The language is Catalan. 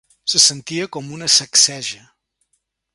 Se sentia com una sacseja.